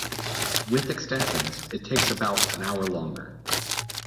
With extensions, it takes about an hour longer.